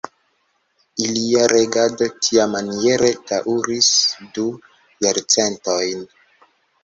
Ilia regado tiamaniere daŭris du jarcentojn.